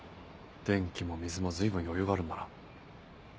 電気も水も随分余裕があるんだな。